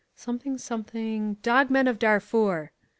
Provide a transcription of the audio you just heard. Dog Men of Darfur